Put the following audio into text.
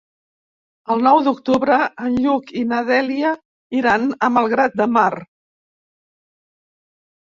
El nou d'octubre en Lluc i na Dèlia iran a Malgrat de Mar.